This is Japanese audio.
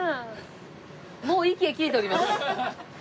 もう息が切れております。